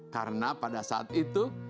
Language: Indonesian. karena pada saat itu